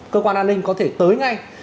cơ quan an ninh có thể tới ngay